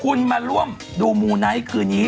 คุณมาร่วมดูหมู่ไหนคืนนี้